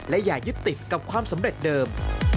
และอย่ายึดติดกับความสำเร็จเดิม